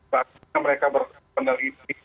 maka mereka berpeneliti